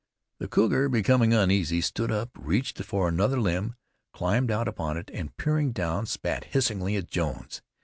The cougar, becoming uneasy, stood up, reached for another limb, climbed out upon it, and peering down, spat hissingly at Jones.